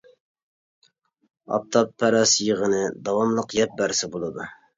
ئاپتاپپەرەس يېغىنى داۋاملىق يەپ بەرسە بولىدۇ.